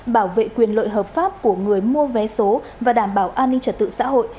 bảo vệ quyền lợi hợp pháp của người mua vé số và đảm bảo an ninh trật tự xã hội